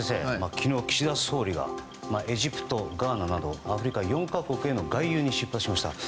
昨日、岸田総理はエジプト、ガーナなどアフリカ４か国への外遊に出発しました。